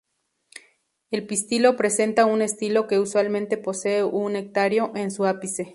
El pistilo presenta un estilo que usualmente posee un nectario en su ápice.